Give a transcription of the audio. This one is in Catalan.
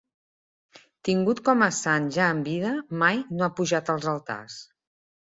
Tingut com a sant ja en vida, mai no ha pujat als altars.